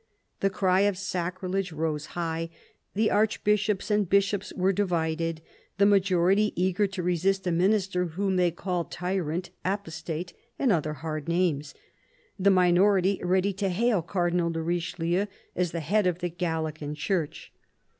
The cry of sacrilege rose high ; the archbishops and bishops were divided, the majority eager to resist a Minister whom they called " tyrant," " apostate," and other hard names, the Jttinority ready to hail Cardinal de Richelieu as " the Head of the Galilean Church."